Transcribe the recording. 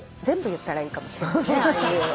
全部言ったらいいかもしれないですね。